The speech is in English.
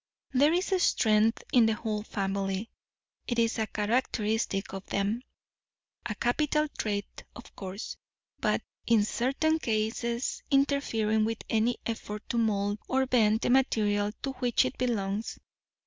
There is strength in the whole family; it is a characteristic of them; a capital trait, of course, but in certain cases interfering with any effort to mould or bend the material to which it belongs.